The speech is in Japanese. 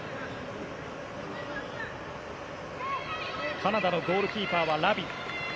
カナダのゴールキーパーはラビ。